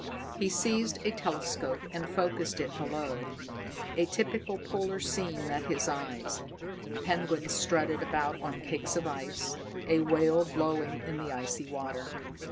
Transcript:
He seized a telescope and focused it below. A typical polar scene met his eyes: penguins strutted about on cakes of ice, a whale blowing in the icy water.